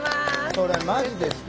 それマジですか？